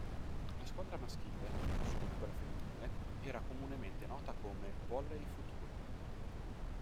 La squadra maschile, così come quella femminile, era comunemente nota come "Vôlei Futuro".